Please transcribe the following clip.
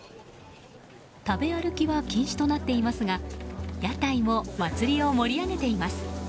食べ歩きは禁止となっていますが屋台も祭りを盛り上げています。